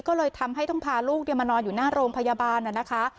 ก็เลยทำให้ต้องพาลูกมานอนอยู่หน้าโรงพยาบาลนะคะ